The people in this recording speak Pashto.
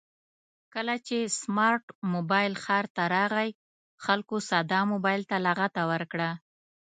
کله چې سمارټ مبایل ښار ته راغی خلکو ساده مبایل ته لغته ورکړه